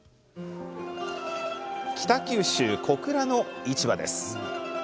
北九州・小倉の市場です。